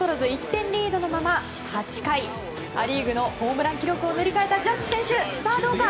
１点リードのまま８回ア・リーグのホームラン記録を塗り替えたジャッジ選手さあ、どうか！